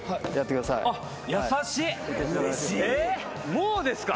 もうですか？